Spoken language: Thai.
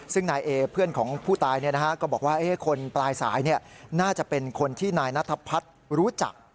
ซึ่งนายเอเพื่อนของผู้ตายก็บอกว่าคนปลายสายน่าจะเป็นคนที่นายนัทพัฒน์รู้จัก